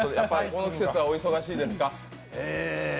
この季節はお忙しいですか？